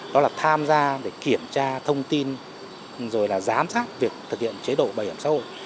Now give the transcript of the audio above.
đó là tham gia để kiểm tra thông tin rồi là giám sát việc thực hiện chế độ bảo hiểm xã hội